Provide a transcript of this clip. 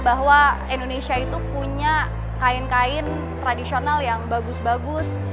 bahwa indonesia itu punya kain kain tradisional yang bagus bagus